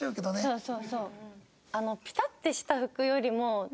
そうそうそう。